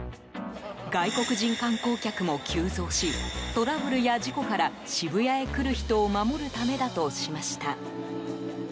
外国人観光客も急増しトラブルや事故から渋谷へ来る人を守るためだとしました。